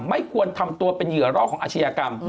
ไม่ควรทำตัวเป็นเหยื่อรอกของอาชญากรรม